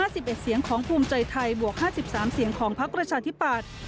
๑๑เสียงของภูมิใจไทยบวก๕๓เสียงของพักประชาธิปัตย์